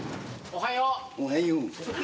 おはよう。